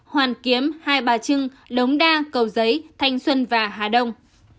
hoàn kiếm hai bà trưng đống đa cầu giấy thanh xuân và hà đông